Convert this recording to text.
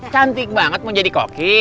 cantik banget mau jadi koki